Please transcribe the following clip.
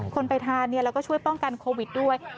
คนไปทานแล้วก็ช่วยป้องกันโควิดด้วย